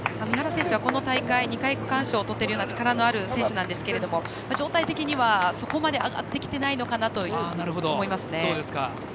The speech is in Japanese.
三原選手は、この大会２回、区間賞をとっているような力のある選手なんですけれども状態的には、そこまで上がってきていないのかなと思いますね。